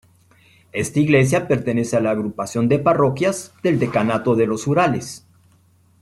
Esta iglesia pertenece a la agrupación de parroquias del decanato de los Urales.